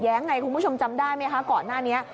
ไงคุณผู้ชมจำได้ไหมคะก่อนหน้านี้